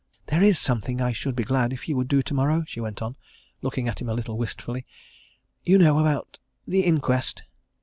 There is something I should be glad if you would do tomorrow," she went on, looking at him a little wistfully, "You know about the inquest?"